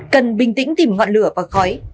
cần bình tĩnh tìm ngọn lửa và khói